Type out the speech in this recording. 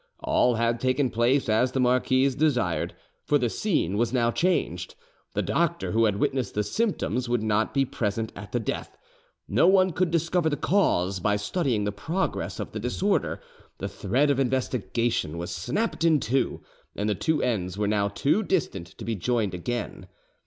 All had taken place as the marquise desired; for the scene was now changed: the doctor who had witnessed the symptoms would not be present at the death; no one could discover the cause by studying the progress of the disorder; the thread of investigation was snapped in two, and the two ends were now too distant to be joined again.